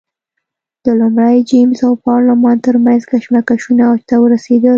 د لومړي جېمز او پارلمان ترمنځ کشمکشونه اوج ته ورسېدل.